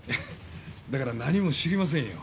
だから何も知りませんよ。